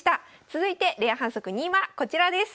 続いてレア反則２はこちらです。